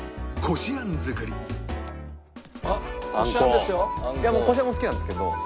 こしあんも好きなんですけど。